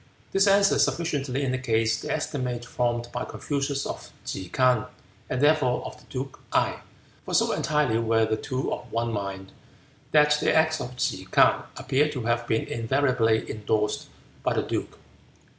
This answer sufficiently indicates the estimate formed by Confucius of Ke K'ang and therefore of the duke Gae, for so entirely were the two of one mind that the acts of Ke K'ang appear to have been invariably indorsed by the duke.